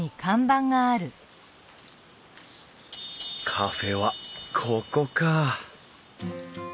カフェはここか。